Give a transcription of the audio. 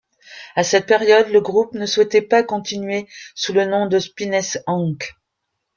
À cette période, le groupe ne souhaitait pas continuer sous le nom de Spineshank.